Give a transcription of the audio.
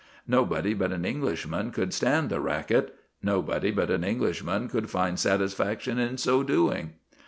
Nobody but an Englishman could stand the racket; nobody but an Englishman could find satisfaction in so doing.